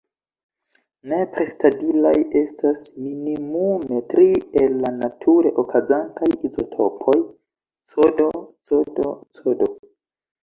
Nepre stabilaj estas minimume tri el la nature okazantaj izotopoj: Cd, Cd, Cd.